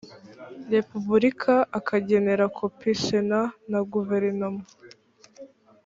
repubulika akagenera kopi sena na guverinoma